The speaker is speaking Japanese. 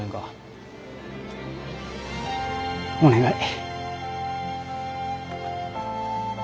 お願い。